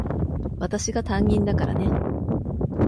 私が担任だからね。